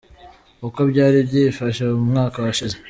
Uko byari byifashe mu mwaka washize:.